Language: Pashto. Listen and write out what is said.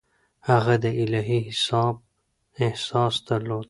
هغه د الهي حساب احساس درلود.